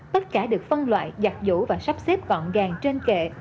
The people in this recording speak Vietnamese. tất cả được phân loại giặt dũ và sắp xếp gọn gàng trên kệ